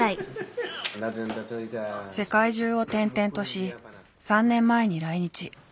世界中を転々とし３年前に来日。